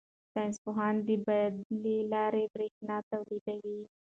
ساینس پوهان د باد له لارې بریښنا تولیدوي.